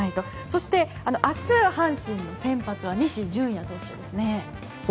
そして、明日阪神の先発は西純矢投手ですね。